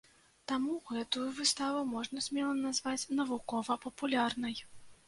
Таму гэтую выставу можна смела назваць навукова-папулярнай.